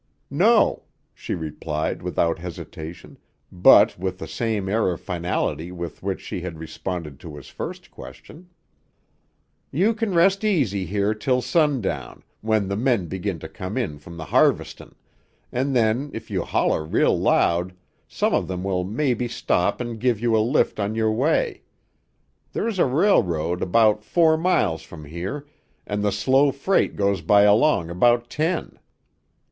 "No," she replied without hesitation, but with the same air of finality with which she had responded to his first question. "You can rest easy here till sundown, when the men begin to come in from the harvestin', an' then if you holler real loud some of them will maybe stop an' give you a lift on your way. There's a railroad about four miles from here, an' the slow freight goes by along about ten."